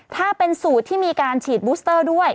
ถ้าเป็นสูตรที่มีการฉีดบูสเตอร์ด้วย